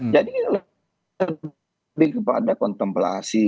jadi lebih kepada kontemplasi